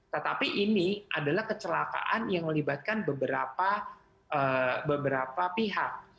tetapi ini adalah kecelakaan yang melibatkan beberapa pihak